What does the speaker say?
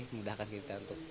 mudahkan kita untuk